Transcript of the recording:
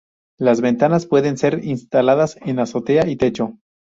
Las ventanas pueden ser instaladas en azotea y techo.